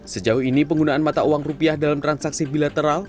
sejauh ini penggunaan mata uang rupiah dalam transaksi bilateral